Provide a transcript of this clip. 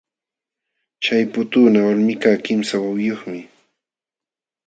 Chay putuuna walmikaq kimsa wawiyuqmi.